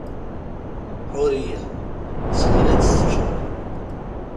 Ḥuriya, sseleɣ-itt teččuṛ!